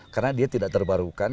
karena dia tidak terbarukan